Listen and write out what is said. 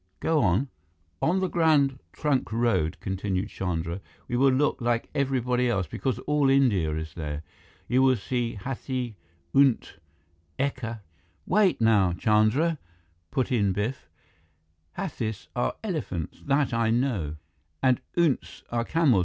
Go on." "On the Grand Trunk Road," continued Chandra, "we will look like everybody else, because all India is there. You will see hathi, oont, ekka " "Wait now, Chandra," put in Biff. "Hathis are elephants, that I know. And oonts are camels.